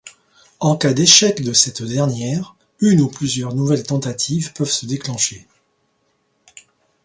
En cas d'échec de cette dernière, une ou plusieurs nouvelles tentatives peuvent se déclencher.